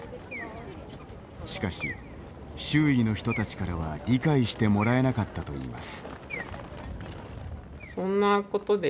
しかし、周囲の人たちからは理解してもらえなかったといいます。